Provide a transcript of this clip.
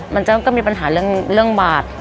มันก็มีปัญหาเรื่องบาด